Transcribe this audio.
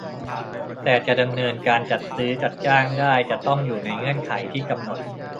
แต่จะดำเนินการจัดซื้อจัดจ้างได้จะต้องอยู่ในเงื่อนไขที่กำหนด